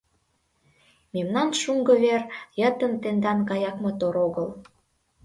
— Мемнан шуҥго вер, йытын тендан гаяк мотор огыл.